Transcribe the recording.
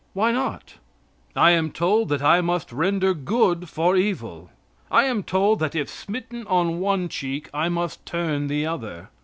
Why not? I am told that I must render good for evil. I am told that if smitten on one cheek I must turn the other.